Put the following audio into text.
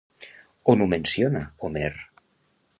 On ho menciona, Homer?